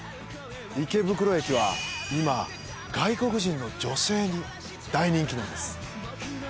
池袋駅は、今外国人の女性に大人気なんです。